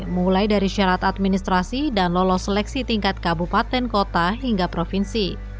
mulai dari syarat administrasi dan lolos seleksi tingkat kabupaten kota hingga provinsi